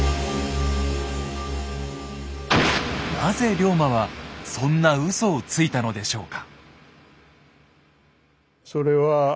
なぜ龍馬はそんなウソをついたのでしょうか？